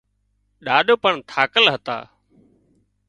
ڏاڏو پڻ ٿاڪل هتا